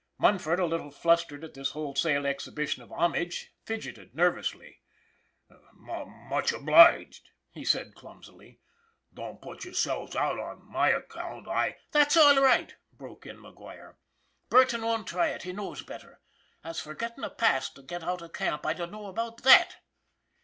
Munford, a little flustered at this wholesale ex hibition of homage, fidgeted nervously. " Much obliged," said he, clumsily. " Don't put yourselves out on my account. I " "That's all right," broke in McGuire. "Burton won't try it; he knows better. As for gettin' a pass to get out of camp, I dunno about that."